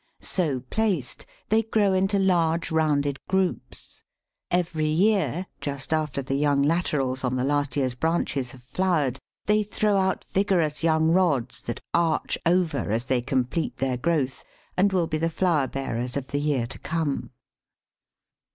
So placed, they grow into large rounded groups. Every year, just after the young laterals on the last year's branches have flowered, they throw out vigorous young rods that arch over as they complete their growth, and will be the flower bearers of the year to come.